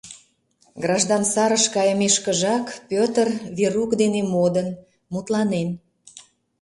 Граждан сарыш кайымешкыжак, Пӧтыр Верук дене модын, мутланен.